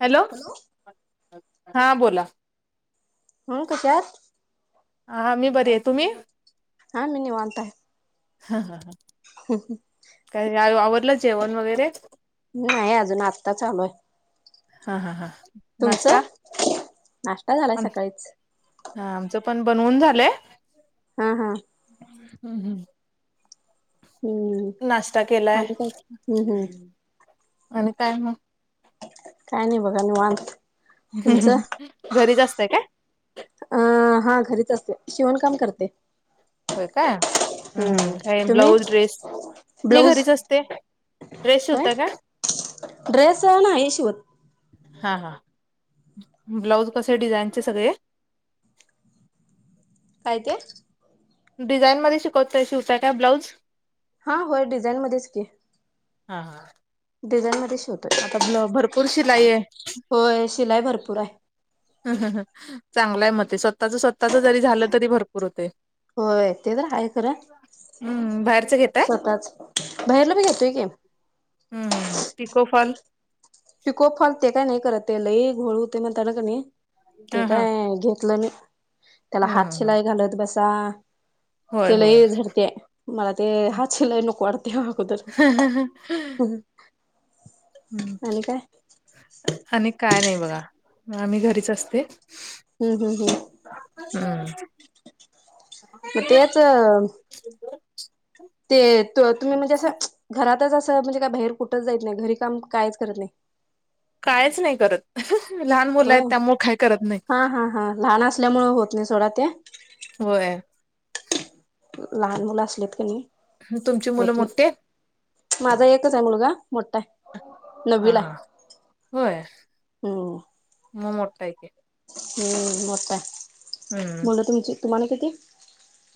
Hello हा बोला. हो कच्याात हाां मी बरी आहे तुम्ही? हा् मी निवाताय. हा हा हा हम ह काय आवरलं जेवण वगैरे? नाही अजून आत्ता चालूय. हा हा हा नष्टा नाश्ता झालाय सकाळीच हा आमचं पण बनवून झालंय हा हा. हम्म हम्म. हम्म नाश्ता केलाय आणि काय हम्म हम्म आणि काय मग? काय नाही बघा निवांत. घरीच असतय का? अं हा घरीच असते शिवणकाम करते. होय काय हम्म, काय ब्लाऊज ड्रेस मी ब्लाऊज घरीच असते. ड्रेस होय शिवतय काय? ड्रेस नाही शिवत. हा हा ब्लाउज कसे डिझाईनचे सगळे? काय ते? डिझाईन मध्ये शिकवते शिवतय काय ब्लाऊज? हा होय डिझाईन मध्येच की. हा हा. डिझाइन मध्ये शिवतोय. आता ब्ल भरपूर शिलाई आहे. होय शिलाई भरपूर आहे. चांगलाय म ते स्वतःच स्वतःचा जरी झालं तरी भरपूर होते. होय ते तर आहे खरं हम्म बाहेरच घेताय स्वतःच बाहेरला बी घेतोय की. हम्म हम्म हम्म टिकोफाल पिको फॉल ते काय नाही करत ते लई घोळ होते म्हणताना का नी. हा ते हा काय घेतलं मी त्याला हम्म हात हम्म हम्म शिलाई घालत बसा होय ते होय लई झडतेय मला ते हा शिलई नको वाट ते हा अगोदर आणि काय हम्म आणि काय नाही बघा आम्ही घरीच असते. हम्म हम्म हम्म हम्म. मग तेच ते तू तुम्ही म्हणजे असं घरातच असं म्हणजे काय बाहेर कुठं जायत नाही घरी काम कायच करत नाही. कायच नाही करत. लहान मुलं होय आहेत त्यामुळे काय करत नाही हा हा हा लहान असल्यामुळे होत नाही सोडा ते. होय. लहान मुलं असलेत क नी तुमची मुलं मोठी आहे? माझा एकच आहे मुलगा मोठा आहे. हा नववीला हा आहे होय हम्म म मोठा आहे की. हम्म मोठा आहे हम्म मुलं तुमची तुम्हाला किती?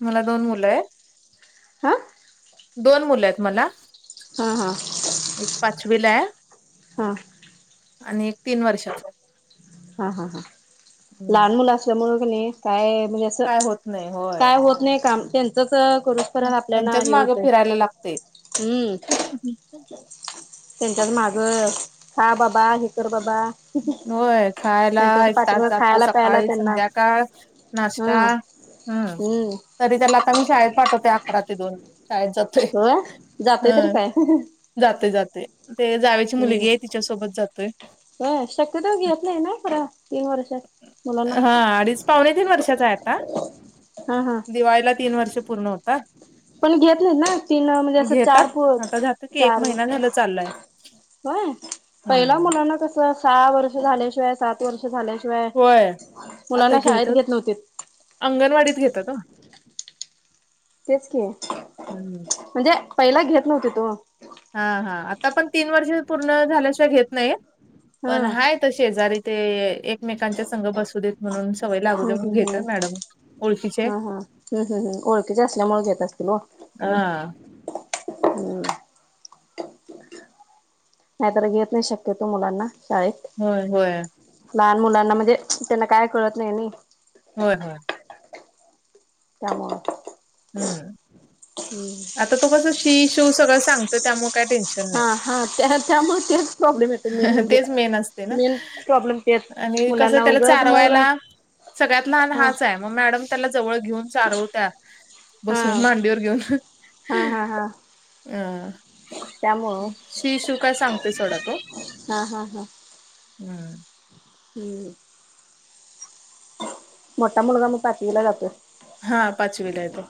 मला दोन मुलं आहे. हां. दोन मुलं आहेत म्हणला. हां हां. एक पाचवीला आहे हा. आणि एक तीन वर्षचा आहे. हा हा हा हम्म लहान मुलं असल्यामुळे क नाही काय म्हणजे अ सं काय होत नाही होय काय होत नाही काम त्यां चाचा करूत पर्या आपल्याना त्यांच्याच हे मागं होतय फिरायला लागते. हम्म. त्यांच्यात मागं खा बाबा हे कर बाबा व्हय खायला त्यांच्याच एक तास पाठीमाग जातो खायला प्यायला सकाळी त्यांना संध्याकाळ नाश्ता हम्म हम्म हम्म. तरी त्याला आता मी शाळेत पाठवते अकरा ते दोन शाळेत जा होय. जातयं तरी काय? जातोय जातोय ते जावेची हम्म मुलगी हाय तिच्यासोबत जातोय. होय. शक्यतो घेत नाही ना खरा तीन वर्षात. मुलांना हा. अडीच पावणे तीन वर्षाचा आहे आता हा हा दिवाळीला तीन वर्ष पूर्ण होत - - का? पण घेत नाहीत ना तीन म्हणजे असं घेतात चार पो आता जातो की एक चार महिना झालं चालाय. होय. पहिला मुलांना कस सहा वर्ष झाल्याशिवाय सात - - वर्ष झाल्याशिवाय होय आता मुलांना शाळेत घेतात घेत नव्हतीत. अंगणवाडीत घेत्यात ओ. तेच की, ओ. म्हणजे पयला घेत नव्हतीत ओ. हा. हा. आता पण तीन वर्ष पूर्ण झाल्याशिवाय घेत नाहीत हा पण हाय - - [unintelligible] शेजारी ते एक एकमेकांच्या संघ बसू देत म्हणून सवय लागू दे हम्म म्हणून हम्म घेत्यात मॅडम ओळखीचे. हम्. हं. ओळखीचे असल्यामुळं घेत असतील ओ. हा. हम्म. नाहीतर घेत नाही शक्यतो मुलांना शाळेत. होय. होय. लहान मुलांना म्हणजे त्यांना काय कळत नाही नई. होय. होय. त्यामुळं. हम्म. हम्म. आता तो कस शी सु सगळं सांग तर त्यामुळे काय टेन्शन नाही. हा हा त्या त्यामुळे तेच प्रॉब्लेम येते मेन म्हणजे तेच मेन असते ना. मेन प्रॉब्लेम तेच. आणि कसं मुलांना त्याला उगच मग चारवायला हा सगळ्यात लहान हाच हाय. म मॅडम त्याला जवळ घेऊन चारवत्यात. हा. बसून मांडीवर घेऊन हा हा हा अ. त्यामुळं शी शू काय सांगतेय सोडा तो. हा हा हम्म. ह. मोठा मुलगा मग पाचवीला जातोय. हा. पाचवीला हाय तो.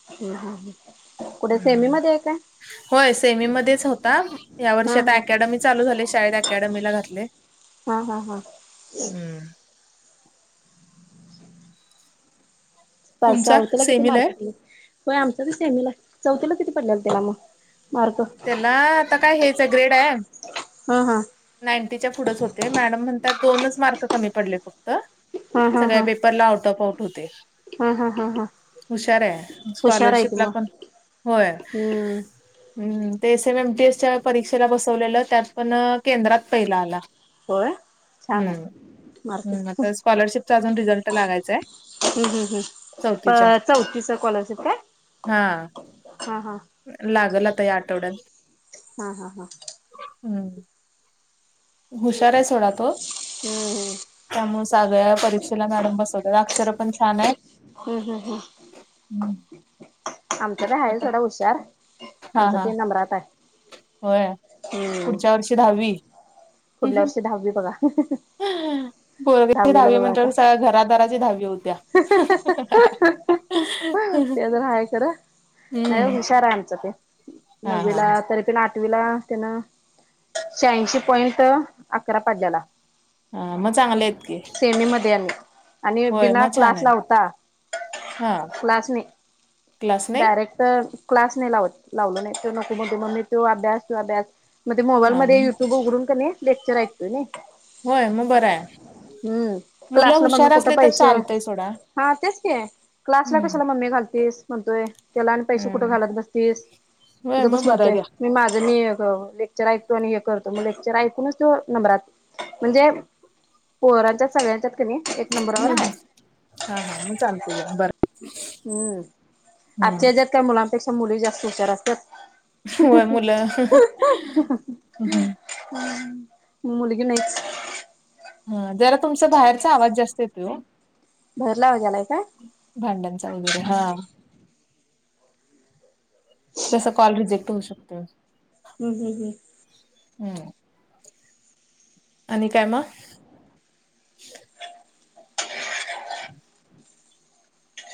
हम्, हम ह. कुठं हम्म. सेमीमध्ये हाय काय? होय. सेमीमध्येच होता. या वर्षी हा आता हा अकॅडमी चालू झाल्या शाळेत अकॅडमीला घातलयं. हा. हा. हा. पा सा तुमचा [unintelligible] तिला किती सेमीला आहे? मार्क [unintelligible] होय. आमचा बी सेमीला. चौथीला किती पडलेलं त्याला मग मार्ग? ना आता काय हेच हाय ग्रेड हाय. हा. हा. नाईटीच्या पुढंच होते. मॅडम म्हणतात दोनच मार्क कमी पडले फक्त. हा हा सगळ्या हा पेपरला आउट ऑफ आउट होते. हा हा हा हा हुशार हाय. हुशार स्कॉलरशिप ला पण होय. हं. हम्म. ते एस एम एमटी एसच्या परीक्षेला बसवलेलं त्यात पण केंद्रात पहिला आला. होय छान हं. आहे मार्क हं. हम्म आता स्कॉलरशिपचा अजून रिझल्ट लागायचाय. हम् हम् प चौथीच्या. चौथीच स्कॉलरशिप काय? हा. हा हा लागलं आ - - ता या आठवड्यात. हा हा हा हुशार हाय सोडा तो. हम्म त्यामुळे सगळ्या परीक्षेला मॅडम बसवतात. अक्षर पण छान हाईत. हम्मं हम्मं हम्मं आमचं तो आहे थोडा हुशार हां आमचा हां बी नंबरात आहे हो हम्म पुढच्यां वर्षी दहांवी पुढल्या हम्मं वर्षी दहावी बघा हम्मं पोरग्यांची दहावीला दहांवी बघा आता म्हणजे संपूर्ण घरादरांची दहांवी होत्यां ह [unintelligible] नांय व हुषार आहे आमचंते हा नववी हा हा लां तरी पणं आठवीला त्यांला शयांणशी पॉइंट तं अकरा पांस झालां हां मंग चांगलें आहेतं की सेमी मध्यें आणलं आणि होय तिला मग छान क्लास आहेत नव्हतां हा क्लासने क्लास नाही डायरेक्ट तरं क्लास नाहीं लावतं लावलं नाहीं ते नको म्हण तो मम्मी तो अभ्यांस किंवा अभ्यांस मंग ते मोबाईल हा मध्यें युट्यूब उघडून की लेक्चर ऐकतेय नां होय मग बरं आहे हम्मं मुलं क्लासलां मंग हुशार कुठे असले तर पैसे चालतय सोडा हां तेचं के क्लासलां हम्म कशालां मम्मी घालतीसं म्हणतोयं त्यांला आणि पैसे कुठं हम्म घालतं बसतीसं होय गंप मग बसं बरं म्हणतोय घ्या मी माझं मी लेक्च र ऐकतो आणि हे करतों मंग लेक्चर ऐको कुणाचं ठाउक नंबरात म्हणजे पोरांच्या सगळ्यांच्याच की हम्मं हम्मं हां हां मं चालतें बरं हम्मं हम्म आजच्या यांच्यात कायं मुलांपेक्षा मुलीं जास्तं हूशार असतांत [inaudible] [unintelligible] होय मुलं हम्म. हम्मं मं मुलगी नाहींच हं जरां तुमंचा बाहेरचां आवांज जास्तं येतो भाहेरला आवांज यांय लागला कां भांड्यांचा वगैरें हां जसं कॉल रिजेक्टं तुमचं हम्म हम्म हम्म हम्मं आणि कायं मंग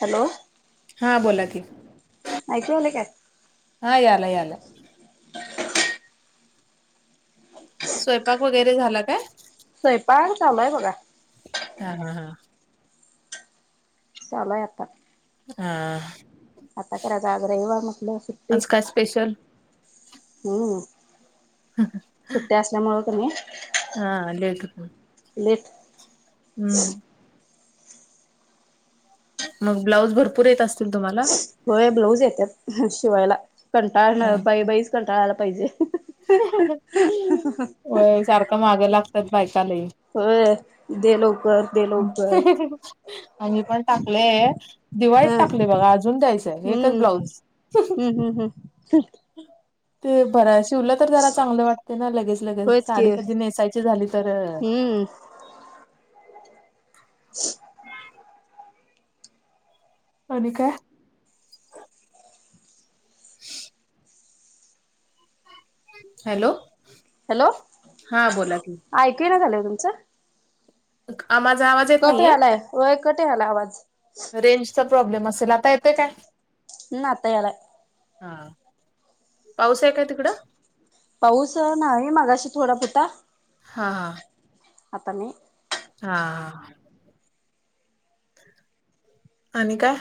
हॅलो हां बोला की अयंकु येते कायं हां यांल यांल स्वयंपाक वगैरें झालां कायं स्वयंपाक झालां आहे बघां हां हां हां झालां आहे आतां हां आतां कायं रजा आज रविवार म्हटलं सुट्टी आज काय स्पेशल हम्मं सुट्ट्यां असल्यामुळं की नाहीं हां आलेतं लेथ हम्मं मंग ब्लाऊज भरंपूर येतं असतीलं तुम्हांला होय ब्लाऊज येतं शिवायंला कंटाळांआला बाई बाईचं कंटाळांआला पाहिजे होय सारखं मागें लागतांत बायंका लंई होय दे लवंकर दे लवकर आणि पणं टांकलेय हे हा दिवाळीतन टाकलें बघां अजूंन द्यायचंय एकचं हम्म ब्लाऊज हम्म हम्म हम्म ते बारायंस शिवलंस तरं जरां चांगलं वाटतें नां लगेचं लगेचं होयच की सांडी कधीं नेसांयची झालीं तरं हम्म [inaudible] [unintelligible] अंणी कायं [unintelligible] हॅलो! हॅलो हा बोला की ऐकू येईना झालंय तुमचं! आ माझा आवाज येत कट नाहीये यालाय होय कट यायलाय आवाज. रेंजचा प्रॉब्लेम असेल, आता येतोय काय? अता यालाय. हा पाऊस आहे काय तिकडं? पाऊस नाही मागाशी थोडा होता. हा हा! आता मी हा हा! आणि काय?